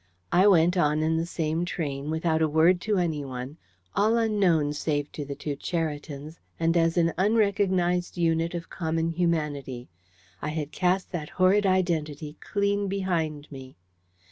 I went, on in the same train, without a word to anyone, all unknown save to the two Cheritons, and as an unrecognised unit of common humanity. I had cast that horrid identity clean behind me.